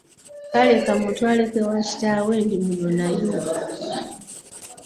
Kale ka mmutwaleko ewa kitaawe ndimunonayo.